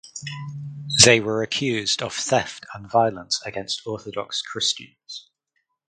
They were accused of theft and violence against orthodox Christians.